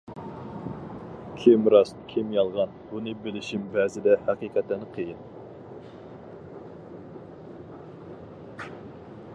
كىم راست، كىم يالغان بۇنى بىلىشىم بەزىدە ھەقىقەتەن قىيىن.